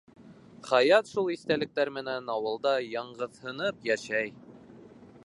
Хаят шул иҫтәлектәр менән ауылда яңғыҙһынып йәшәй.